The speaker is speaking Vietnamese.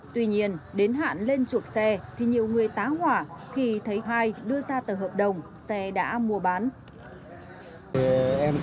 tuy nhiên đến hạn lên chuộc xe thì nhiều người tá hỏa khi thấy hai đưa ra tờ hợp đồng xe đã mua bán